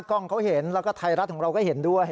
กล้องเขาเห็นแล้วก็ไทยรัฐของเราก็เห็นด้วย